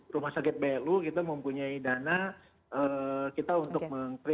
rumah sakit belu kita mempunyai dana kita untuk mend alabamaahkan sendiri